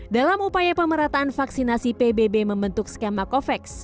dalam upaya pemerataan vaksinasi pbb membentuk skema covax